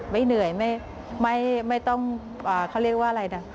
ไม่เหนื่อยไม่ต้องเขาเรียกว่าอะไรนะ